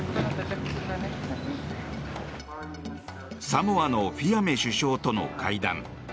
サモアのフィアメ首相との会談。